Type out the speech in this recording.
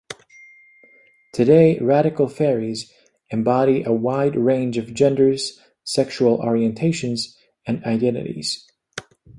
Today Radical Faeries embody a wide range of genders, sexual orientations, and identities.